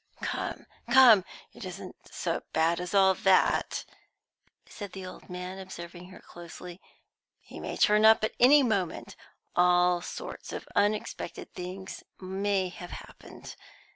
"Come, come, it isn't so bad as all that," said the old man, observing her closely. "He may turn up at any moment; all sorts of unexpected things may have happened.